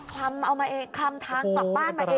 คลำทางกลับบ้านเอง